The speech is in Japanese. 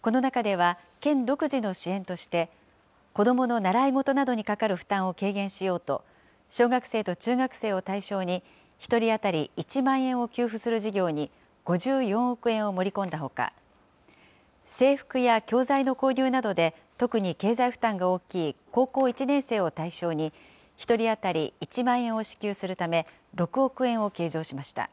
この中では、県独自の支援として、子どもの習い事などにかかる負担を軽減しようと、小学生と中学生を対象に、１人当たり１万円を給付する事業に、５４億円を盛り込んだほか、制服や教材の購入などで特に経済負担が大きい高校１年生を対象に、１人当たり１万円を支給するため、６億円を計上しました。